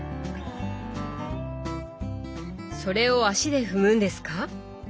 それを足で踏むんですか？